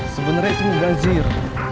sebenernya itu ngajir